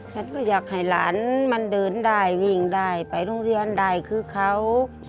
ฉันก็อยากให้หลานมันเดินได้วิ่งได้ไปโรงเรียนได้คือเขา